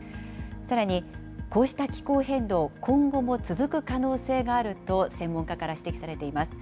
さらにこうした気候変動、今後も続く可能性があると専門家から指摘されています。